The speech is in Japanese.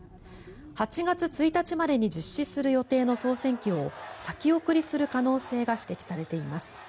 ８月１日までに実施する予定の総選挙を先送りする可能性が指摘されています。